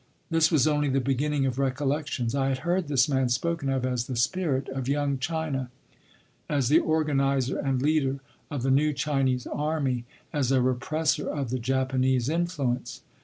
This was only the beginning of recollections. I had heard this man spoken of as the spirit of Young China, as the organiser and leader of the new Chinese army, as a represser of the Japanese influence.